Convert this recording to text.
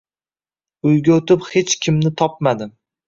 Uyga o`tib hech kimni topmadim